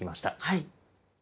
はい。